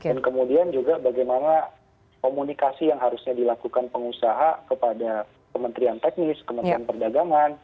dan kemudian juga bagaimana komunikasi yang harusnya dilakukan pengusaha kepada kementerian teknis kementerian perdagangan